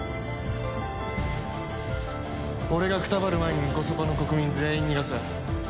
俺がくたばる前にンコソパの国民全員逃がせ。